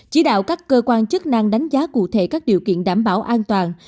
chỉ đạo các cơ quan chức năng đánh giá cụ thể các điều kiện đảm bảo an toàn